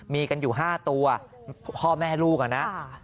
มีกันอยู่๕ตัวพ่อแม่ลูกอะนะ